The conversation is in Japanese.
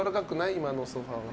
今のソファは。